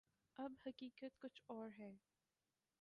اب حقیقت کچھ اور ہے۔